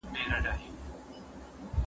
زه به سبا کتابتون ته ځم وم.